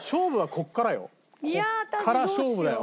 ここから勝負だよ。